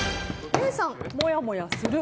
礼さん、もやもやする。